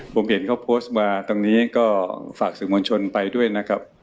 ผมเห็นเขาโพสต์มาตรงนี้ก็ฝากสื่อมวลชนไปด้วยนะครับ